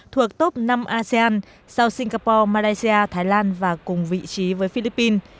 thuộc top năm asean sau singapore malaysia thái lan và cùng vị trí với philippines